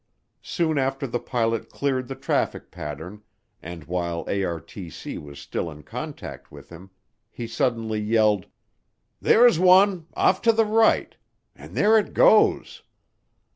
Soon after the pilot cleared the traffic pattern, and while ARTC was still in contact with him, he suddenly yelled, "There's one off to the right and there it goes."